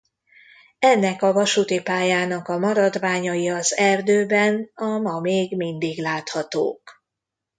Ennek a vasúti pályának a maradványai az erdőben a ma még mindig láthatók.